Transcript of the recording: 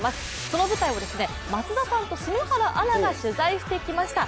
その舞台を松田さんと篠原アナが取材してきました。